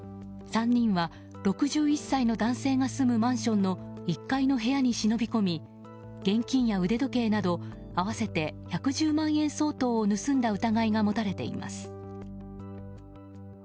３人は６１歳の男性が住むマンションの１階の部屋に忍び込み現金や腕時計など合わせて１１０万円相当を盗んだ疑いが持たれています。